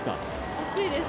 暑いです。